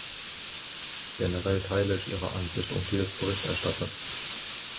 Generell teile ich Ihre Ansicht und die des Berichterstatters.